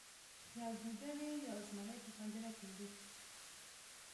یوې ګیدړې یو زمری په پنجره کې ولید.